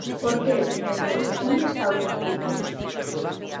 Porque, señorías, ¿onde está o conflito?